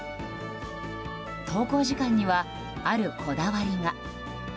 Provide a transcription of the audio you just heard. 投稿時間にはあるこだわりが。